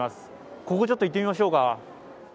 ここちょっと行ってみましょうか。